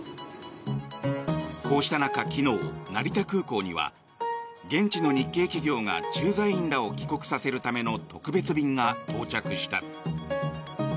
こうした中、昨日成田空港には現地の日系企業が駐在員らを帰国させるための特別便が到着した。